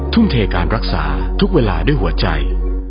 ทุ่มเทการรักษาทุกเวลาด้วยหัวใจ